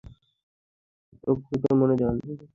অপরপক্ষকে মনের ঝাল মেটাতে দিন কিন্তু আপনি টুঁ শব্দটিও করবেন না।